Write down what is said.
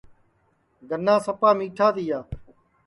گنا سپا میٹھا تیا